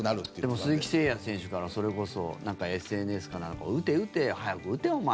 でも、鈴木誠也選手からそれこそＳＮＳかなんかで打て打て、早く打てお前！